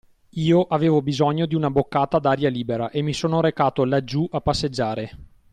Io avevo bisogno di una boccata d’aria libera e mi sono recato laggiú a passeggiare.